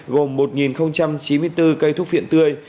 gồm một chín mươi bốn cây thuốc phiện tươi